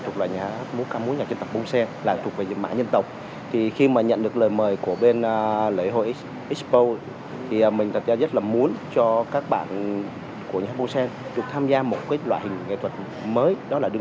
cái truyền thống của nhà hát bông sen kết hợp với nhau